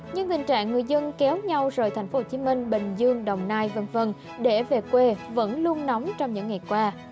nhưng tình trạng người dân kéo nhau rời tp hcm bình dương đồng nai v v để về quê vẫn luôn nóng trong những ngày qua